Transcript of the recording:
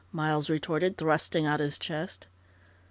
Miles retorted, thrusting out his chest.